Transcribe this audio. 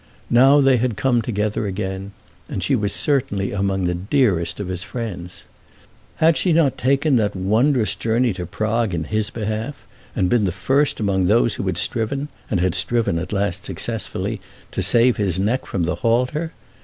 Now they had come together again, and she was certainly among the dearest of his friends. Had she not taken that wondrous journey to Prague in his behalf, and been the first among those who had striven, and had striven at last successfully, to save his neck from the halter?